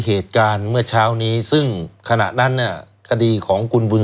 เหตุการณ์เมื่อเช้านี้ซึ่งขณะนั้นเนี่ยคดีของคุณบุญ